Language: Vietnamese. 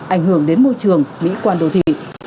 ảnh hưởng đến môi trường mỹ quan đồ thị